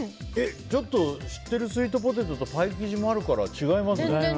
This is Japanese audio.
ちょっと知ってるスイートポテトとパイ生地もあるから違いますね。